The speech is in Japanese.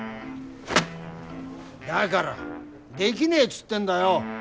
だからできねえっつってんだよ！